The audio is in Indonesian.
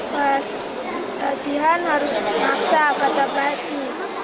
pas latihan harus maksa kata pelati